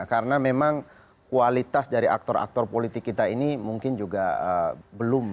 karena memang kualitas dari aktor aktor politik kita ini mungkin juga belum